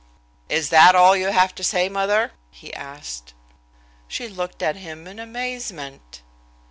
"Is that all you have to say, mother?" he asked. She looked at him in amazement.